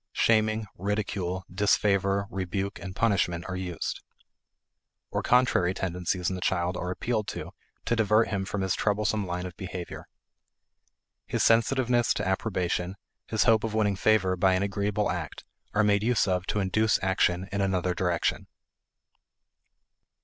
Shaming, ridicule, disfavor, rebuke, and punishment are used. Or contrary tendencies in the child are appealed to to divert him from his troublesome line of behavior. His sensitiveness to approbation, his hope of winning favor by an agreeable act, are made use of to induce action in another direction.